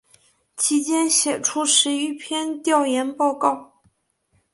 其间写出十余篇调研报告。